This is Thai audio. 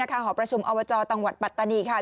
ทางหอประชุมอาวาจอตังหวัดปัตตานีค่ะ